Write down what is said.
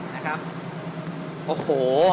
นะครับ